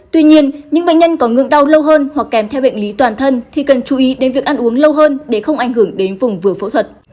tuy nhiên những bệnh nhân có ngưỡng đau lâu hơn hoặc kèm theo bệnh lý toàn thân thì cần chú ý đến việc ăn uống lâu hơn để không ảnh hưởng đến vùng vừa phẫu thuật